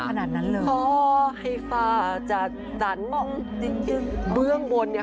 ภาดานั้นเลยฟ้าจัดสรรมองจริงเบื้องบน